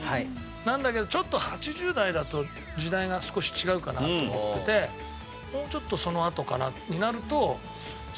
なんだけどちょっと８０代だと時代が少し違うかなって思っててもうちょっとそのあとになると扇風機かなっていう。